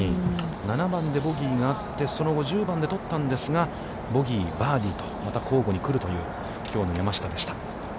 ７番でボギーがあって、その後、１０番で取ったんですが、ボギー、バーディーと、また交互に来るという、きょうの山下でした。